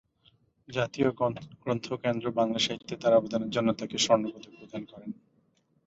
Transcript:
জাতীয় গ্রন্থ কেন্দ্র বাংলা সাহিত্যে তার অবদানের জন্য তাকে স্বর্ণপদক প্রদান করেন।